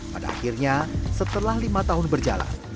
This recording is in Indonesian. pada akhirnya setelah lima tahun berjalan